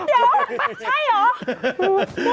เดี๋ยวใช่เหรอ